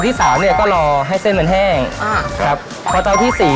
ที่สามเนี้ยก็รอให้เส้นมันแห้งอ่าครับพอเจ้าที่สี่